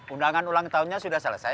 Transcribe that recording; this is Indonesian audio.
undangan ulang tahunnya sudah selesai